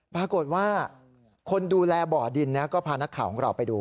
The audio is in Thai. ปรากฏว่าคนดูแลบ่อดินก็พานักข่าวของเราไปดู